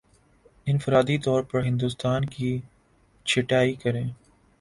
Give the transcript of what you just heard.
انفرادی طور پر ہندسوں کی چھٹائی کریں